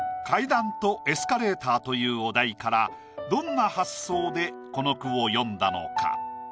階段とエスカレーターというお題からどんな発想でこの句を詠んだのか。